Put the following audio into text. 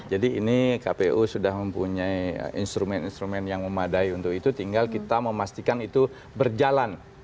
jadi ini kpu sudah mempunyai instrumen instrumen yang memadai untuk itu tinggal kita memastikan itu berjalan